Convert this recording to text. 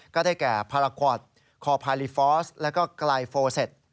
ก็ได้แก่พารากวอตคอพาริฟอสและกลายโฟเซต